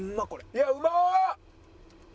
いやうまっ！